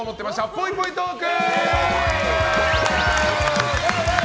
ぽいぽいトーク！